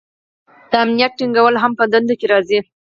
د امنیت ټینګول هم په دندو کې راځي.